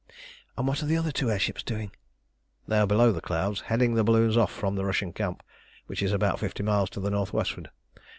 "And what are the other two air ships doing?" "They are below the clouds, heading the balloons off from the Russian camp, which is about fifty miles to the north westward.